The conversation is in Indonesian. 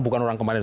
bukan orang kemarin